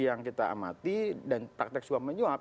yang kita amati dan praktek suap menyuap